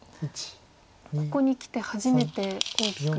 ここにきて初めて大きく。